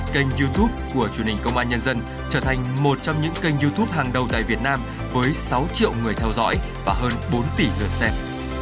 kênh youtube của truyền hình công an nhân dân trở thành một trong những kênh youtube hàng đầu tại việt nam với sáu triệu người theo dõi và hơn bốn tỷ lượt xem